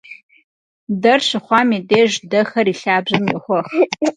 Дэр щыхъуам и деж дэхэр и лъабжьэм йохуэх.